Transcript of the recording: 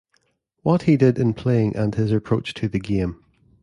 What he did in playing and his approach to the game.